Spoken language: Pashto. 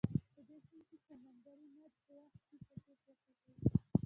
په دې سیند کې سمندري مد په وخت کې څپې پورته کوي.